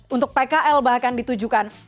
untuk pkl bahkan ditujukan